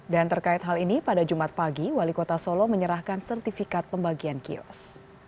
dan terkait hal ini pada jumat pagi wali kota solo menyerahkan sertifikat pembagian kios